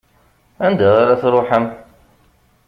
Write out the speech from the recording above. Anda ara tṛuḥem?